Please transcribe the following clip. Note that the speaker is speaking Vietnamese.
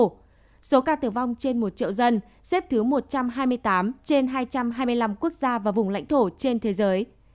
trong số ca tử vong trên một triệu dân xếp thứ một trăm hai mươi tám trên hai trăm hai mươi năm quốc gia và vùng lãnh thổ trên thế giới